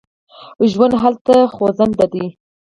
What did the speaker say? ژوند هلته خوځنده دی.